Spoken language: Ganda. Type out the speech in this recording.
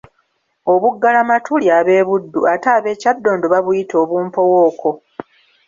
Obuggalamatu lya b'e Buddu ate ab'e Kyaddondo babuyita obumpowooko.